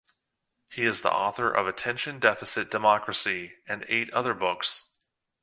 He is the author of "Attention Deficit Democracy", and eight other books.